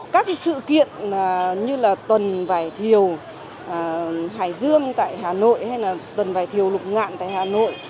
các sự kiện như là tuần vải thiều hải dương tại hà nội hay là tuần vải thiều lục ngạn tại hà nội